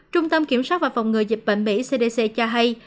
trung tâm kiểm soát và phòng ngừa dịch bệnh mỹ cdc cho hay